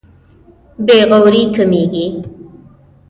بې غوري کمېږي.